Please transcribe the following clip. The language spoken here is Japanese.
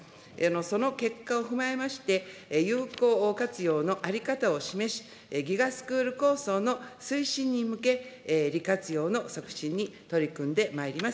その結果を踏まえまして、有効活用の在り方を示し、ＧＩＧＡスクール構想の推進に向け、利活用の促進に取り組んでまいります。